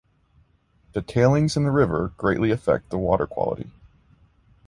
The tailings in the river greatly affect the water quality.